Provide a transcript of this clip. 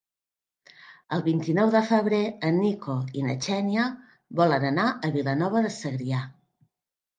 El vint-i-nou de febrer en Nico i na Xènia volen anar a Vilanova de Segrià.